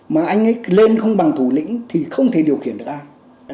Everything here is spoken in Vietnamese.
mà anh ấy lên không bằng thủ lĩnh thì không thể điều khiển được ai